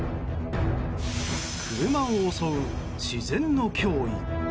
車を襲う自然の脅威。